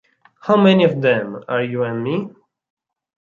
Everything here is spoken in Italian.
How many of them are you and me?